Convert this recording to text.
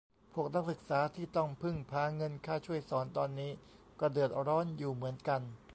พวกนักศึกษาที่ต้องพึ่งพาเงินค่าช่วยสอนตอนนี้ก็เดือดร้อนอยู่เหมือนกัน